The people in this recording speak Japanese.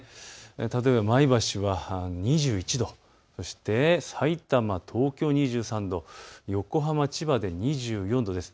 例えば前橋は２１度、さいたま、東京２３度、横浜、千葉で２４度です。